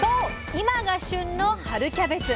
いまが旬の「春キャベツ」！